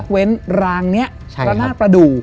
ยกเว้นลางเนี่ยละนาดประดูก